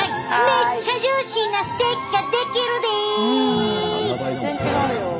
めっちゃジューシーなステーキが出来るで！